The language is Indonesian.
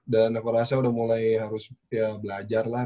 dan aku rasa udah mulai harus belajar lah